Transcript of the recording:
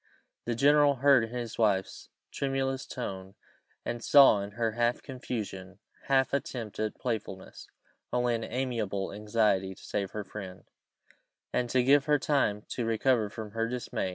The general heard in his wife's tremulous tone, and saw in her half confusion, half attempt at playfulness, only an amiable anxiety to save her friend, and to give her time to recover from her dismay.